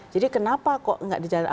jadi kenapa kok tidak dijalankan